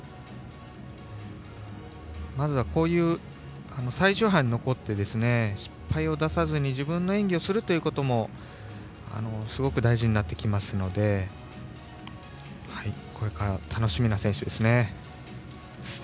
まずはこういう最終班に残って失敗を出さずに自分の演技をするということもすごく大事になってきますのでこれから楽しみな選手です。